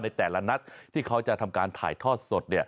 แต่ละนัดที่เขาจะทำการถ่ายทอดสด